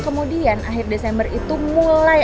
kemudian akhir desember itu mulai